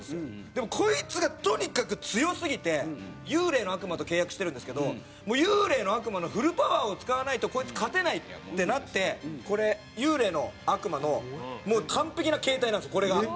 でもこいつがとにかく強すぎて幽霊の悪魔と契約してるんですけどもう幽霊の悪魔のフルパワーを使わないとこいつ勝てないってなってこれ幽霊の悪魔のもう完璧な形態なんですこれが。